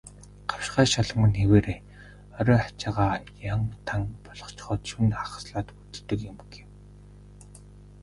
"Гавшгай шалмаг нь хэвээрээ, орой ачаагаа ян тан болгочхоод шөнө хагаслаад хөдөлдөг юм" гэв.